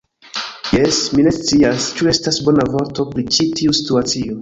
Jes, mi ne scias, ĉu estas bona vorto pri ĉi tiu situacio.